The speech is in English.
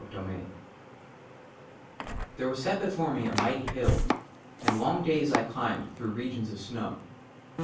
26 XXVI THERE WAS SET BEFORE ME A MIGHTY HILL, AND LONG DAYS I CLIMBED THROUGH REGIONS OF SNOW.